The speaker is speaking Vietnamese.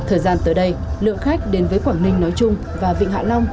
ở đây lượng khách đến với quảng ninh nói chung và vịnh hạ long